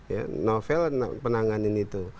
ya novel penanganan itu